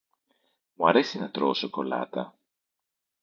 Μου αρέσει να τρώω σοκολάτα